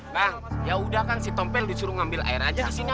nah yaudah kan si tompel disuruh ngambil air aja disini